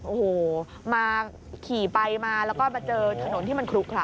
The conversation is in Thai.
โอ้โหมาขี่ไปมาแล้วก็มาเจอถนนที่มันคลุกขระ